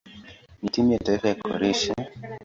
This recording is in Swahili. na timu ya taifa ya Kroatia.